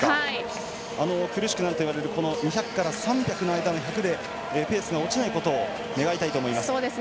苦しくなるといわれる２００から３００の間の１００でペースが落ちないことを願いたいと思います。